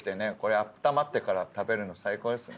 あったまってから食べるの最高ですね。